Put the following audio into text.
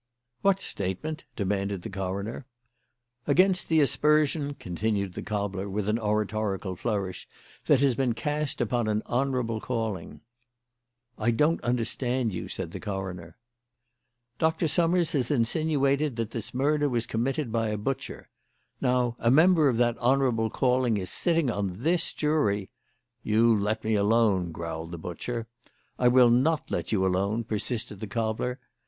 "What statement?" demanded the coroner. "Against the aspersion," continued the cobbler, with an oratorical flourish, "that has been cast upon a honourable calling." "I don't understand you," said the coroner. "Doctor Summers has insinuated that this murder was committed by a butcher. Now a member of that honourable calling is sitting on this jury " "You let me alone," growled the butcher. "I will not let you alone," persisted the cobbler.